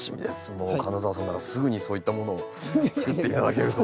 もう金澤さんならすぐにそういったものをつくって頂けると。